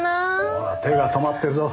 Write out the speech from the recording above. ほら手が止まってるぞ。